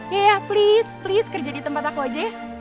iya please please kerja di tempat aku aja ya